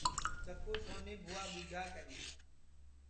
چکُو سونی بُھوا ٻوجھا کری